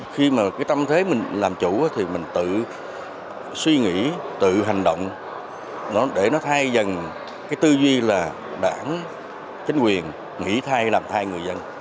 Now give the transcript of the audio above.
khi mà cái tâm thế mình làm chủ thì mình tự suy nghĩ tự hành động để nó thay dần cái tư duy là đảng chính quyền nghĩ thay làm thay người dân